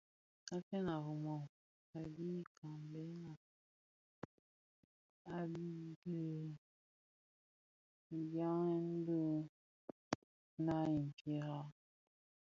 Asen a Rimoh a dhi kaňbèna a dhiaèn bi naa i mpiera.